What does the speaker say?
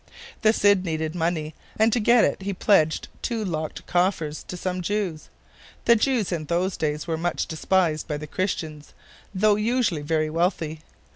The Cid needed money, and to get it he pledged two locked coffers to some Jews. The Jews in those days were much despised by the Christians, though usually very wealthy.